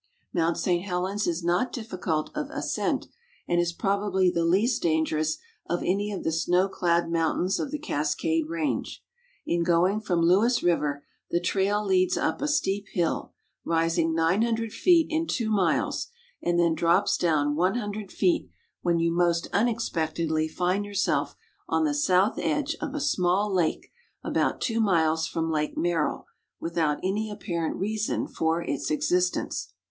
Mt. St. Helens is not difficult of ascent, and is probably the least dan gerous of an\^ of the snow clad mountains of the Cascade range. In going from Lewis river the trail leads up a steep hill, rising 900 feet in two miles,. and then drops down 100 feet, when you most unexpectedly find yourself on the south edge of a small lake about two miles from Lake IMerrill, without any ai)i»arent reason for its existence.